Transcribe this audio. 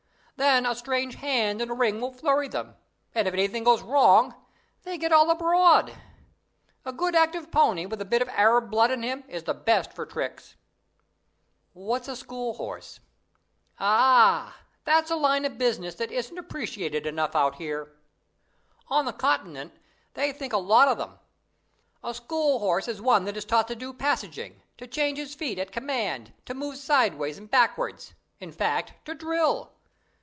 Then a strange hand in the ring will flurry them, and if anything goes wrong, they get all abroad. A good active pony, with a bit of Arab blood in him, is the best for tricks." "What's a school horse?" "Ah, that's a line of business that isn't appreciated enough out here. On the Continent they think a lot of them. A school horse is one that is taught to do passaging, to change his feet at command, to move sideways and backwards; in fact, to drill.